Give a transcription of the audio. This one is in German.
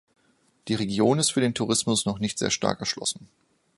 Die Region ist für den Tourismus noch nicht sehr stark erschlossen.